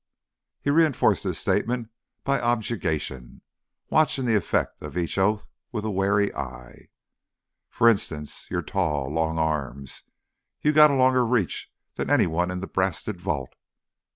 _" He reinforced his statement by objurgation, watching the effect of each oath with a wary eye. "F'r instance. You're tall. Long arms. You get a longer reach than any one in the brasted vault.